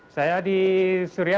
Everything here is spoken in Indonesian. apa yang anda lakukan